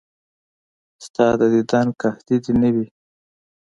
ستا د دیدن قحطي دې نه وي.